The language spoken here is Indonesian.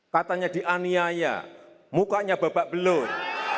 katanya dianiaya mukanya babak belut